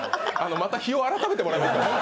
また日を改めてもらえますか？